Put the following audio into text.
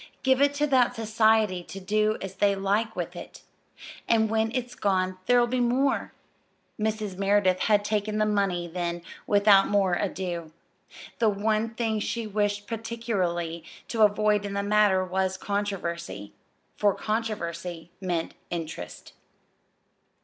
"Give it to that society to do as they like with it. And when it's gone there'll be more." Mrs. Merideth had taken the money then without more ado. The one thing she wished particularly to avoid in the matter was controversy for controversy meant interest.